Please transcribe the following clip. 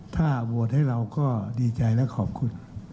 ถ้าโหวตให้เราก็ดีใจและขอบคุณ